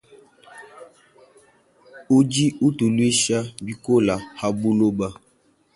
Udi utuluisha bikola habuloba.